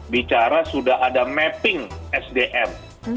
bicara sudah ada mapping sdm